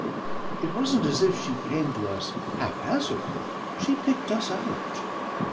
It wasn't as if she came to us haphazard she picked us out.